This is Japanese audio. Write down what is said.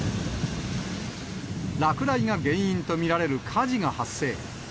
落雷が原因と見られる火事が発生。